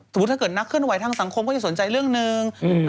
ถ้าเกิดนักเคลื่อนไหวทางสังคมก็จะสนใจเรื่องหนึ่ง